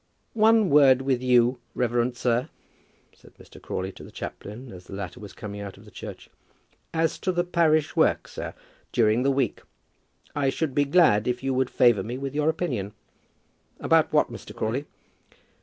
"One word with you, reverend sir," said Mr. Crawley to the chaplain, as the latter was coming out of the church, "as to the parish work, sir, during the week; I should be glad if you would favour me with your opinion." "About what, Mr. Crawley?"